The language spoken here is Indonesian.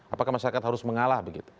apakah masyarakat harus mengalah begitu